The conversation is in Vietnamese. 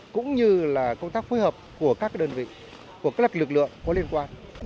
cũng như là công tác phối hợp của các đơn vị của các lực lượng có liên quan